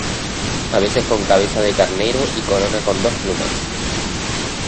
A veces con cabeza de carnero y corona con dos plumas.